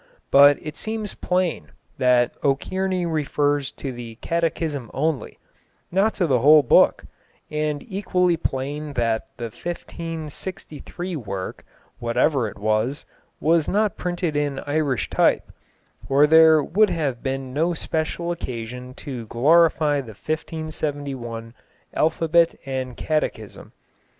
But it seems plain that O'Kearney refers to the Catechism only, not to the whole book, and equally plain that the 1563 work, whatever it was, was not printed in Irish type, or there would have been no special occasion to glorify the 1571 Alphabet and Catechism.